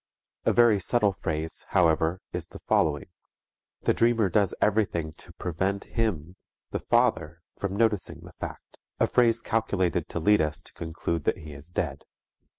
A very subtle phrase, however, is the following: "The dreamer does everything to prevent him (the father) from noticing the fact," a phrase calculated to lead us to conclude that he is dead.